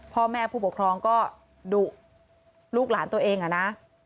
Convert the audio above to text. พ่อแม่ผู้ปกครองก็ดุลูกหลานตัวเองอะนะ